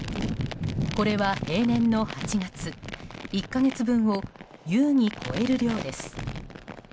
これは平年の８月１か月分を優に超える量です。